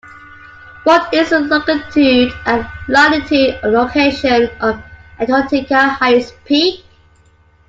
What is the longitude and latitude location of Antarctica highest peak?